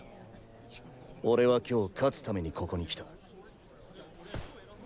俺は今日勝つためにここに来た。